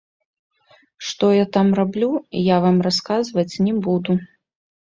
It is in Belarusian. Што я там раблю, я вам расказваць не буду.